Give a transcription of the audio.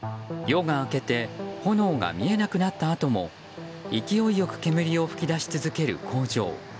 夜が明けて炎が見えなくなったあとも勢い良く煙を噴き出し続ける工場。